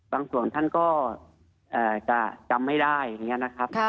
บางส่วนท่านก็จะจำไม่ได้อย่างนี้นะครับ